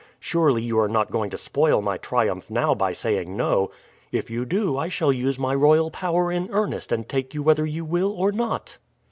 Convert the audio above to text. Surely you are not going to spoil my triumph now by saying no. If you do I shall use my royal power in earnest and take you whether you will or not."